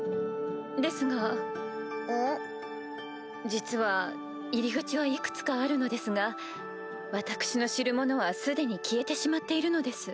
実は入り口はいくつかあるのですが私の知るものは既に消えてしまっているのです。